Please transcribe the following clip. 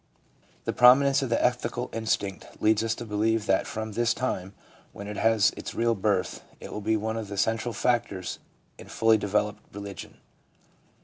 The prominence of the ethical instinct leads us to believe that from this time, when it has its real birth, it will be one of the central factors in fully developed religion.